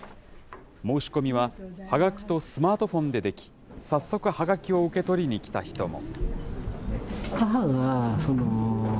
申し込みは、はがきとスマートフォンででき、さっそくはがきを受け取りに来た人も。